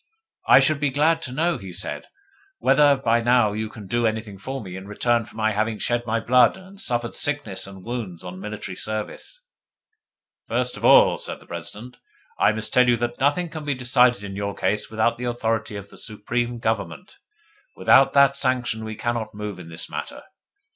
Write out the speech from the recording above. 'I should be glad to know,' he said, 'whether by now you can do anything for me in return for my having shed my blood and suffered sickness and wounds on military service.' 'First of all,' said the President, 'I must tell you that nothing can be decided in your case without the authority of the Supreme Government. Without that sanction we cannot move in the matter.